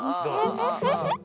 よし。